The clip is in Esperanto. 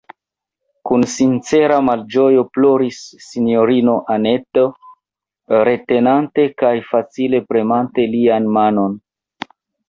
Kun sincera malĝojo ploris sinjorino Anneto, retenante kaj facile premante lian manon.